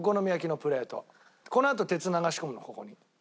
このあと鉄流し込むここに。